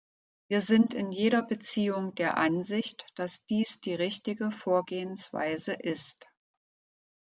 Wir sind in jeder Beziehung der Ansicht, dass dies die richtige Vorgehensweise ist.